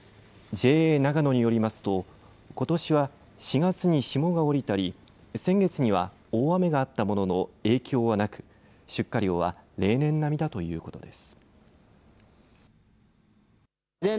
ＪＡながのによりますとことしは４月に霜が降りたり先月には大雨があったものの影響はなく出荷量は例年並みだということです。